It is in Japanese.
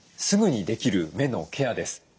すぐにできる目のケアです。